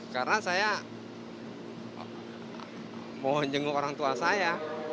karena saya mohon jenguk orang tua saya